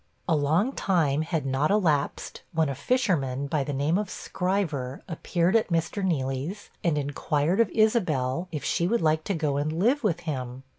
A long time had not elapsed, when a fisherman by the name of Scriver appeared at Mr. Nealy's, and inquired of Isabel 'if she would like to go and live with him.'